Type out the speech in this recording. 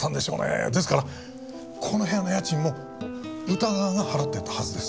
ですからこの部屋の家賃も宇田川が払っていたはずです。